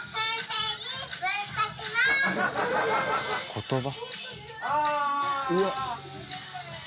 言葉。